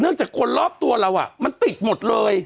จากคนรอบตัวเรามันติดหมดเลย